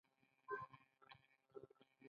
اقتصادي بحران د خلکو ژوند اغېزمنوي.